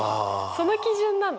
その基準なの？